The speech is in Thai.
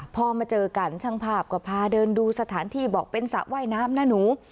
พอมาเจอกันช่างภาพก็พาเดินดูสถานที่บอกเป็นสระว่ายน้ำนะหนู